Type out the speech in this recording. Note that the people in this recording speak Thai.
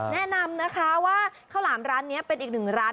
แนะนำนะคะว่าข้าวหลามร้านนี้เป็นอีกหนึ่งร้าน